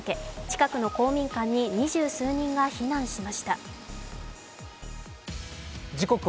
近くの公民館に二十数人が避難しました。